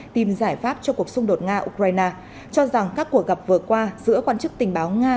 tìm giải pháp cho cuộc xung đột nga ukraine cho rằng các cuộc gặp vừa qua giữa quan chức tình báo nga